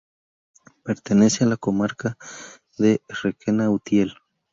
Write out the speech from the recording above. Pertenece a la comarca de Requena-Utiel.